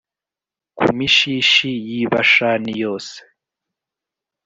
ku mishishi y’i Bashani yose,